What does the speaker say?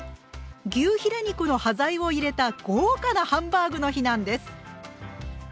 牛ヒレ肉の端材を入れた豪華なハンバーグの日なんです。